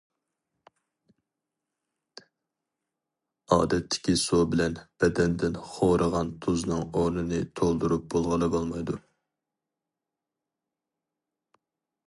ئادەتتىكى سۇ بىلەن بەدەندىن خورىغان تۇزنىڭ ئورنىنى تولدۇرۇپ بولغىلى بولمايدۇ.